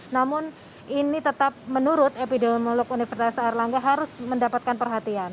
namun ini tetap menurut epidemiolog universitas erlangga harus mendapatkan perhatian